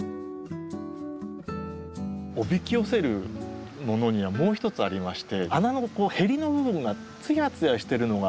おびき寄せるものにはもう一つありまして穴のへりの部分がツヤツヤしてるのが。